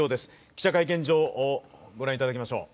記者会見場をご覧いただきましょう。